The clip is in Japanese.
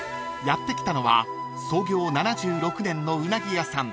［やって来たのは創業７６年のうなぎ屋さん